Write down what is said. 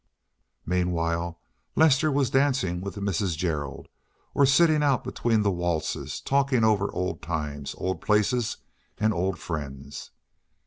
Meanwhile Lester was dancing with Mrs. Gerald, or sitting out between the waltzes talking over old times, old places, and old friends.